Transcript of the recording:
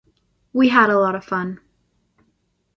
We had a lot of fun.